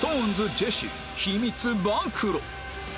ジェシー秘密暴露！